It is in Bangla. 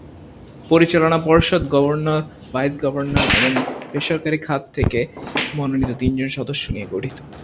পরিচালনা পর্ষদ গভর্নর, ভাইস-গভর্নর এবং বেসরকারি খাত থেকে মনোনীত তিনজন সদস্য নিয়ে গঠিত।